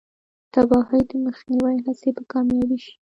د تباهۍ د مخنیوي هڅې به کامیابې شي.